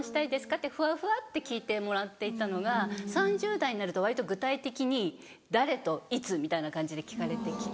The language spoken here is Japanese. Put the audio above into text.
ってふわふわって聞いてもらっていたのが３０代になると割と具体的に「誰と」「いつ」みたいな感じで聞かれてきて。